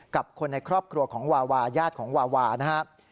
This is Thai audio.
กับคนในครอบครัวของวาวาญาติของวาวานะครับ